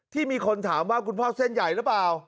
ที่มีคนถามว่าคุณพ่อเส้นใหญ่หรือเปล่า